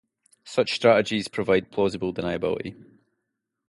Such strategies provide plausible deniability.